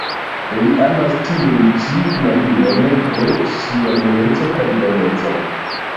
Li amas tiun ĉi knabinon pro ŝia beleco kaj boneco.